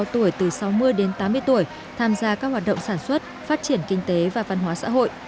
tám mươi tuổi tham gia các hoạt động sản xuất phát triển kinh tế và văn hóa xã hội